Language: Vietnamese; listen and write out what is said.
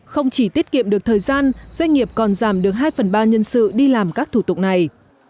không chỉ tiết kiệm được thời gian doanh nghiệp còn giảm được hai phần ba nhân sự đi làm các thủ tục này